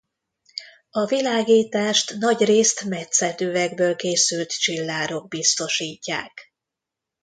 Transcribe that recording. A világítást nagyrészt metszett üvegből készült csillárok biztosítják.